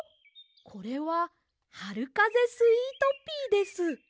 これははるかぜスイートピーです。